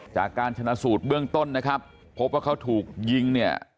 จากการชนะสูตรเบื้องต้นนะครับพบว่าเขาถูกยิงเนี่ย